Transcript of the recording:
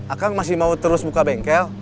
akan masih mau terus buka bengkel